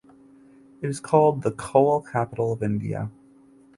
It is called "The Coal Capital of India".